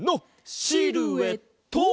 シルエット！